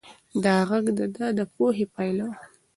دا غږ د ده د پوهې پایله وه.